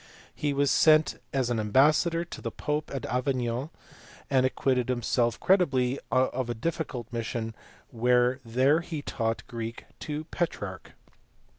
He was sent as an ambassador to the pope at Avignon, and acquitted himself creditably of a difficult mission; while there he taught Greek to Petrarch.